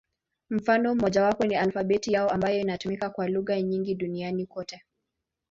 Mfano mmojawapo ni alfabeti yao, ambayo inatumika kwa lugha nyingi duniani kote.